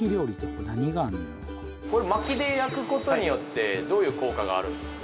これ薪で焼くことによってどういう効果があるんですか？